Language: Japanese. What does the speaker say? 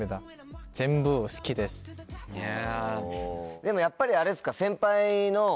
でもやっぱりあれっすか？